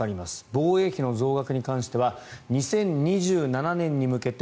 防衛費の増額に関しては２０２７年に向けて